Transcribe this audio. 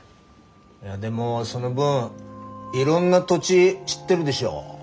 いやでもその分いろんな土地知ってるでしょう。